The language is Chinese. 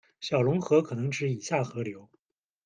小龙河可能指以下河流：